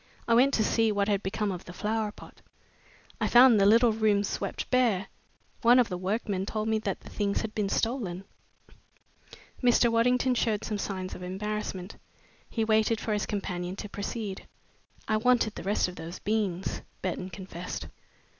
I went to see what had become of the flower pot. I found the little room swept bare. One of the workmen told me that the things had been stolen." Mr. Waddington showed some signs of embarrassment. He waited for his companion to proceed. "I wanted the rest of those beans," Burton confessed.